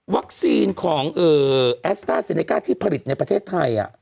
ของแอสต้าเซเนก้าที่ผลิตในประเทศไทย